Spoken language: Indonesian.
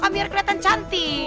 biar kelihatan cantik